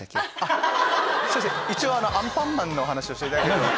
一応アンパンマンのお話をしていただければ。